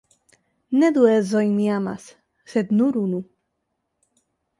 Ne du edzojn mi amas, sed nur unu.